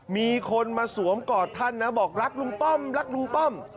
มีคนมาสวมกอดท่านนะบอกรักลุงป้อมรักลุงป้อม